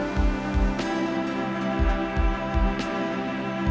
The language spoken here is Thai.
ทุกคนพร้อมแล้วขอเสียงปลุ่มมือต้อนรับ๑๒สาวงามในชุดราตรีได้เลยค่ะ